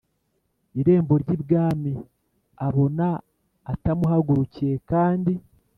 Irembo ry ibwami abona atamuhagurukiye kandi